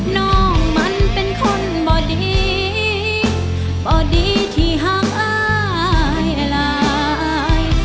น้องมันเป็นคนบ่ดีบ่ดีที่หากอายหลาย